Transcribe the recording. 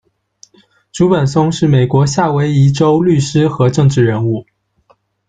竹本松是美国夏威夷州律师和政治人物。